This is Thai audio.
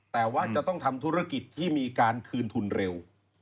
แต่ว่าจะต้องทำธุรกิจที่มีการคืนทุนเร็ว